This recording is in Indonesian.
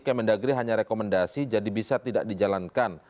kemendagri hanya rekomendasi jadi bisa tidak dijalankan